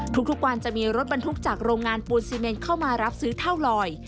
ทุกวันจะมีรถบรรทุกจากโรงงานปูนซีเมนเข้ามารับซื้อเท่าลอย